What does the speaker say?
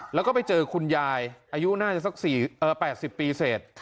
แล้วก็ไปเจอคุณยายอายุน่าจะสัก๘๐ปีเสร็จ